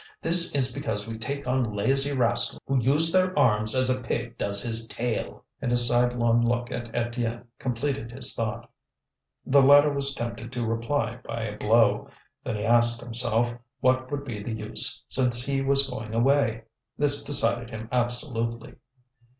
This is because we take on lazy rascals who use their arms as a pig does his tail!" And his sidelong look at Étienne completed his thought. The latter was tempted to reply by a blow. Then he asked himself what would be the use since he was going away. This decided him absolutely.